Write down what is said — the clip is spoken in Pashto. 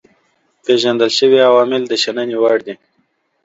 پيژندل شوي عوامل د شنني وړ دي.